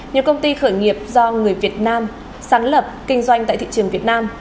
nhiều công ty khởi nghiệp do người việt nam sáng lập kinh doanh tại thị trường việt nam